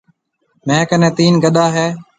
ميه ڪنَي تين گڏا هيَ۔